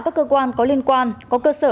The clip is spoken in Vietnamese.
các cơ quan có liên quan có cơ sở